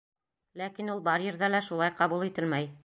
Ләкин ул бар ерҙә лә шулай ҡабул ителмәй.